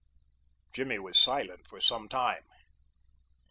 Jimmy was silent for some time.